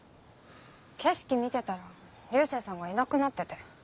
景色見てたら流星さんがいなくなってて。